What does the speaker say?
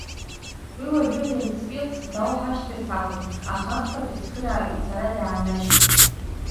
Уи уажәы Вентспилс дауҳашьҭырц акәын, аха ахԥатәи ацхырааҩ ицара дааннажьит.